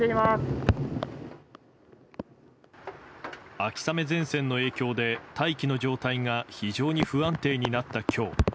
秋雨前線の影響で大気の状態が非常に不安定になった今日。